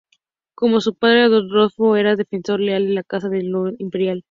Como su padre, Rodolfo era un defensor leal de la Casa de Luxemburgo imperial.